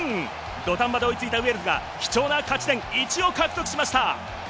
土壇場で追いついたウェールズが貴重な勝ち点１を獲得しました。